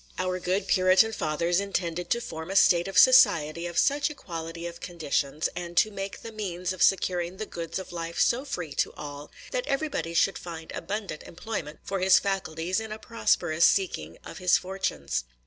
Our good Puritan fathers intended to form a state of society of such equality of conditions, and to make the means of securing the goods of life so free to all, that everybody should find abundant employment for his faculties in a prosperous seeking of his fortunes.